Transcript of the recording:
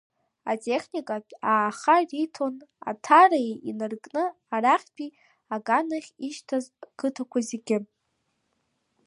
Атехникатә ааха риҭон Аҭара инаркны арахьтәи аганахь ишьҭаз ақыҭақәа зегьы.